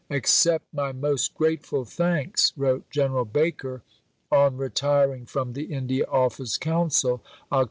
"Accept my most grateful thanks," wrote General Baker, on retiring from the India Office Council (Oct.